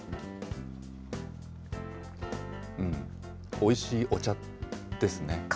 うん、おいしいお茶ですね。